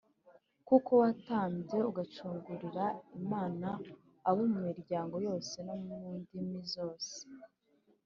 kuko watambwe ugacungurira Imana abo mu miryango yose no mu ndimi zose,